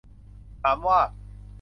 ถามว่า